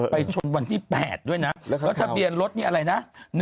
ชนวันที่๘ด้วยนะแล้วทะเบียนรถนี่อะไรนะ